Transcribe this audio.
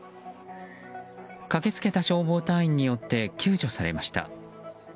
駆け付けた消防隊員によって救助されました。